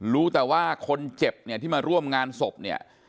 รู้แต่ว่าคนเจ็บเนี่ยที่มาร่วมงานศพเนี่ย